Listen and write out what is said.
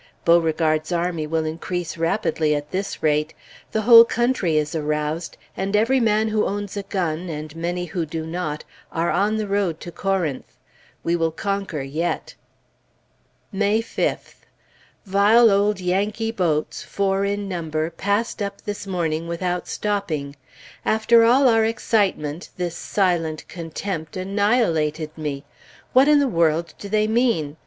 Beauregard's army will increase rapidly at this rate. The whole country is aroused, and every man who owns a gun, and many who do not, are on the road to Corinth. We will conquer yet. May 5th. Vile old Yankee boats, four in number, passed up this morning without stopping. After all our excitement, this "silent contempt" annihilated me! What in the world do they mean?